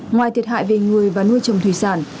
ngoài thiệt hại về người và nuôi trồng thủy sản